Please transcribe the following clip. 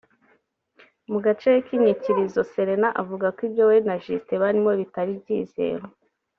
Mu gace k’inyikirizo (chorus) Selena avuga ko ibyo we na Justin barimo bitari byizewe